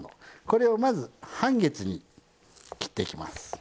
これをまず半月に切っていきます。